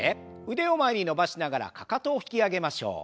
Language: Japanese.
腕を前に伸ばしながらかかとを引き上げましょう。